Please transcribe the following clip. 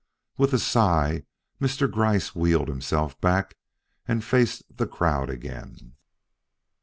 With a sigh Mr. Gryce wheeled himself back and faced the crowd again.